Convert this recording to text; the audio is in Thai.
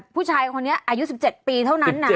ผู้ชายคนนี้อายุ๑๗ปีเท่านั้นนะ